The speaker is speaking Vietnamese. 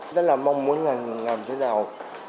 rất là mong muốn làm thế nào